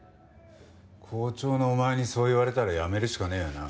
校長のお前にそう言われたら辞めるしかねえよな。